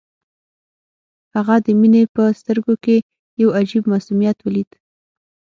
هغه د مينې په سترګو کې يو عجيب معصوميت وليد.